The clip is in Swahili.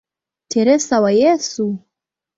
Teresa wa Yesu".